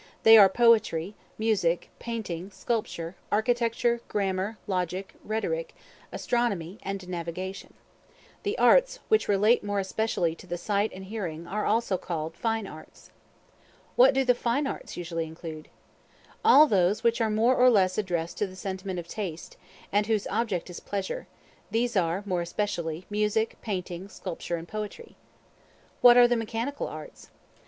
They are Poetry, Music, Painting, Sculpture, Architecture, Grammar, Logic, Rhetoric, Astronomy, and Navigation. The arts which relate more especially to the sight and hearing are also called Fine Arts. Pecuniary, relating to money. Military, belonging to soldiers, or to arms. What do the Fine Arts usually include? All those which are more or less addressed to the sentiment of taste, and whose object is pleasure; these are more especially Music, Painting, Sculpture, and Poetry. What are the Mechanical Arts?